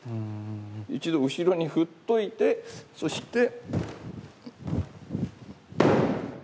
一度後ろに振っておいてそして。